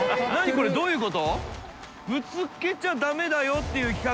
これどういうこと？